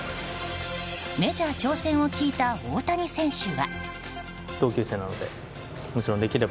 メジャー挑戦を聞いた大谷選手は。